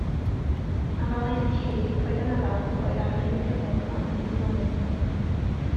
Afalau Enlli, coeden afal oedd ar un cyfnod bron wedi diflannu.